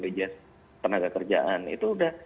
bpjs tenaga kerjaan itu udah